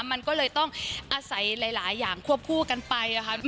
มันก็เลยต้องอาศัยหลายอย่างควบคู่กันไปค่ะ